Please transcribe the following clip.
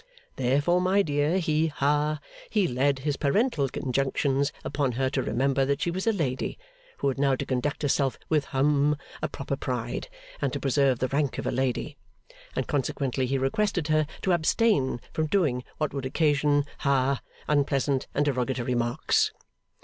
Therefore, my dear, he ha he laid his parental injunctions upon her, to remember that she was a lady, who had now to conduct herself with hum a proper pride, and to preserve the rank of a lady; and consequently he requested her to abstain from doing what would occasion ha unpleasant and derogatory remarks.